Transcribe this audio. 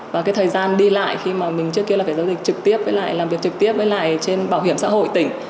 và cái thời gian đi lại khi mà mình trước kia là phải giao dịch trực tiếp với lại làm việc trực tiếp với lại trên bảo hiểm xã hội tỉnh